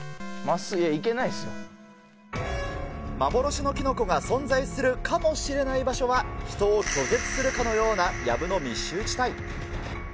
いや、行けないで幻のキノコが存在するかもしれない場所は、人を拒絶するかのようなやぶの密集地帯。